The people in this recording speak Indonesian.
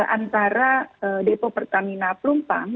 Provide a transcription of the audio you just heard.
antara depo pertamina pelumpang